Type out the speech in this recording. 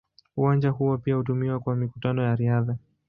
Uwanja huo pia hutumiwa kwa mikutano ya riadha.